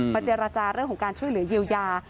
เจรจาเรื่องของการช่วยเหลือเยียวยา